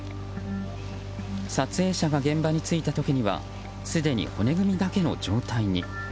撮影者が現場に着いた時にはすでに骨組みだけの状態に。